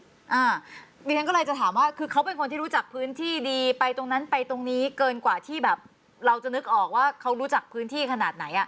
ดิฉันก็เลยจะถามว่าคือเขาเป็นคนที่รู้จักพื้นที่ดีไปตรงนั้นไปตรงนี้เกินกว่าที่แบบเราจะนึกออกว่าเขารู้จักพื้นที่ขนาดไหนอ่ะ